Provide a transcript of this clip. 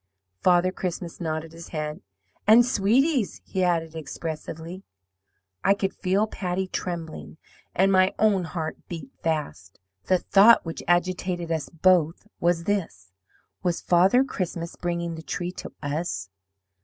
"Father Christmas nodded his head. 'And sweeties,' he added, expressively. "I could feel Patty trembling, and my own heart beat fast. The thought which agitated us both was this: 'Was Father Christmas bringing the tree to us?'